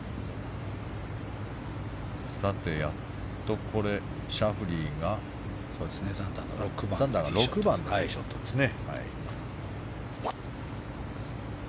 やっと、これシャフリーが６番のティーショットですね。